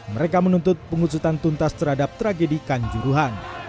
mereka menuntut pengusutan tuntas terhadap tragedi kanjuruhan